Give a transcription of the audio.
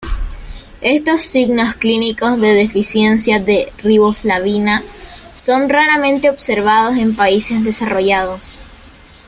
Estos signos clínicos de deficiencia de riboflavina son raramente observados en países desarrollados.